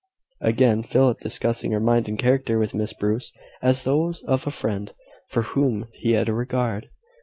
Again, Philip discussing her mind and character with Miss Bruce, as those of a friend for whom he had a regard!